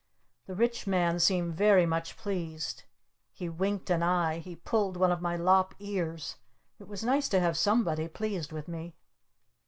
The Rich Man seemed very much pleased. He winked an eye. He pulled one of my lop ears. It was nice to have somebody pleased with me.